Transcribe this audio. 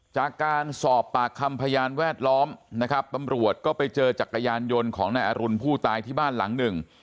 จากการสอบปากคำพยานแวดล้อมนะครับตำรวจก็ไปเจอจักรยานยนต์ของนายอรุณผู้ตายที่บ้านหลังหนึ่ง